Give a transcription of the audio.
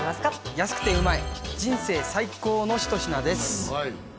安くてうまい人生最高の一品です